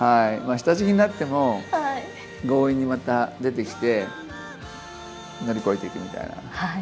下敷きになっても、強引にまた出てきて、乗り越えていくみたいな。